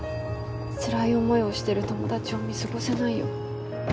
つらい思いをしてる友達を見過ごせないよ。